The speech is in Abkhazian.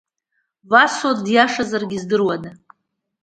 Васо диашазаргьы здыруада?